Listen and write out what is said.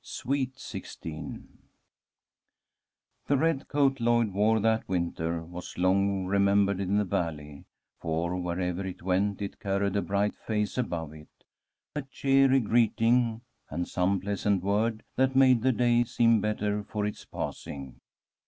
"SWEET SIXTEEN" THE red coat Lloyd wore that winter was long remembered in the Valley, for wherever it went it carried a bright face above it, a cheery greeting, and some pleasant word that made the day seem better for its passing.